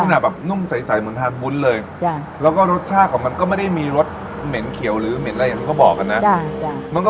ซะเนื้ออืมมันแบบนิดหนึ่ง